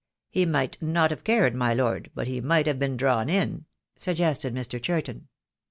"He might not have cared, my Lord, but he might have been drawn in," suggested Mr. Churton.